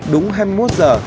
đúng hai mươi một giờ